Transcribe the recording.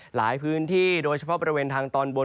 หลายพื้นที่โดยเฉพาะบริเวณทางตอนบน